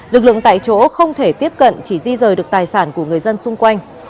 lực lượng tại chỗ không thể tiếp cận chỉ di rời được tài sản của người dân xung quanh